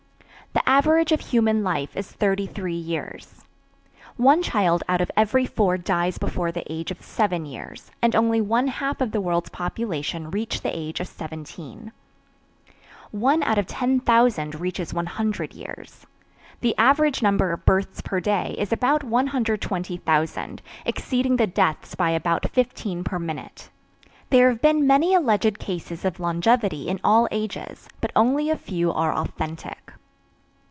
The average of human life is 33 years. One child out of every four dies before the age of 7 years, and only one half of the world's population reach the age of 17. One out of 10,000 reaches 100 years. The average number of births per day is about 120,000, exceeding the deaths by about 15 per minute. There have been many alleged cases of longevity in all ages, but only a few are authentic.